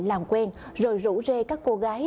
làm quen rồi rủ rê các cô gái